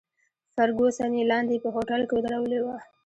فرګوسن یې لاندې په هوټل کې ودرولې وه.